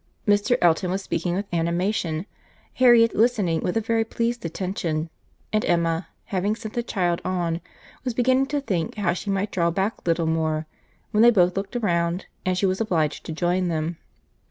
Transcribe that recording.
Mr. Elton was speaking with animation, Harriet listening with a very pleased attention; and Emma, having sent the child on, was beginning to think how she might draw back a little more, when they both looked around, and she was obliged to join them.